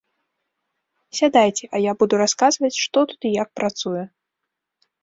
Сядайце, а я буду расказваць, што тут і як працуе.